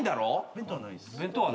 弁当はないです。